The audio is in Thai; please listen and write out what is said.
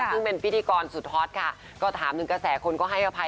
ซึ่งเป็นพิธีกรสุดฮอตค่ะก็ถามถึงกระแสคนก็ให้อภัย